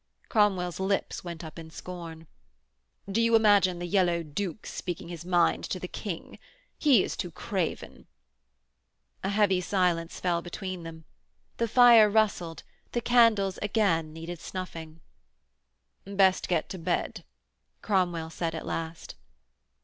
Cromwell's lips went up in scorn. 'Do you imagine the yellow duke speaking his mind to the King? He is too craven.' A heavy silence fell between them. The fire rustled, the candles again needed snuffing. 'Best get to bed,' Cromwell said at last.